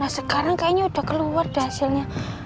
nah sekarang kayaknya udah keluar deh hasilnya